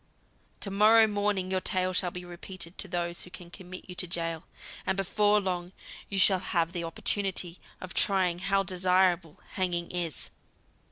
To morrow morning your tale shall be repeated to those who can commit you to gaol, and before long you shall have the opportunity of trying how desirable hanging is."